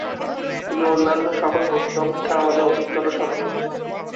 তিনি অন্যান্য সকল বস্তু অপেক্ষা আমাদের অধিকতর সন্নিহিত।